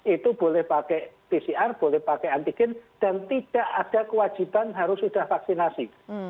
itu boleh pakai pcr boleh pakai antigen dan tidak ada kewajiban harus sudah vaksinasi